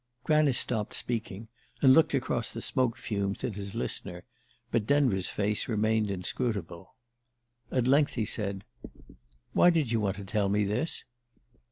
Granice stopped speaking and looked across the smoke fumes at his listener; but Denver's face remained inscrutable. At length he said: "Why did you want to tell me this?"